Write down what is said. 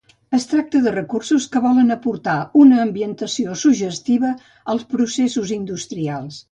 Es tracta de recursos que volen aportar una ambientació suggestiva als processos industrials.